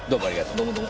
どうもどうも。